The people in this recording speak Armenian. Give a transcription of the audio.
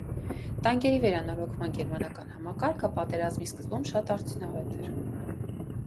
Տանկերի վերանորոգման գերմանական համակարգը պատերազմի սկզբում շատ արդյունավետ էր։